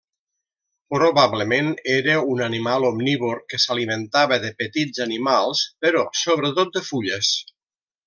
Probablement era un animal omnívor que s'alimentava de petits animals, però sobretot de fulles.